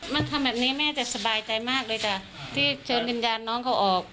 มันทำแบบนี้แม่จะสบายใจมากเลยจ้ะที่เชิญวิญญาณน้องเขาออก